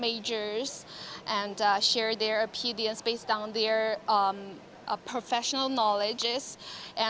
dan berbagi pendapat mereka berdasarkan pengetahuan profesional mereka